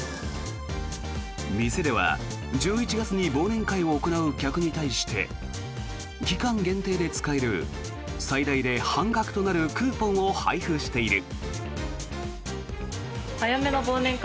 店では１１月に忘年会を行う客に対して期間限定で使える最大で半額となるクーポンを配布している。